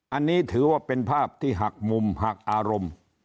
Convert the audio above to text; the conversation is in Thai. อันนี้ถือว่าเป็นภาพที่หักมุมหักอารมณ์